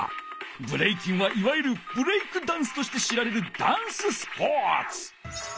ブレイキンはいわゆるブレイクダンスとして知られるダンススポーツ！